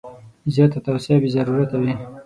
زیاته توصیه بې ضرورته ده.